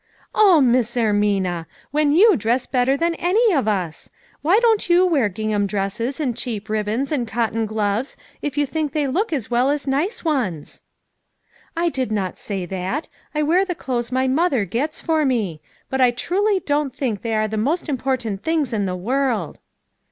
"O Miss Ermina! When you dress better than any of us. Why don't you wear gingham dresses, and cheap ribbons, and cotton gloves, if you think they look as well as nice ones?" " I did not say that ; I wear the clothes my mother gets for me; but I truly don't think, they are the most important things in the world."